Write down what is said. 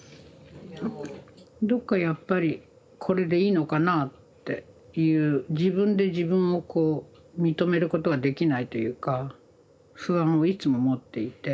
どっかやっぱりこれでいいのかなあっていう自分で自分をこう認めることができないというか不安をいつも持っていて。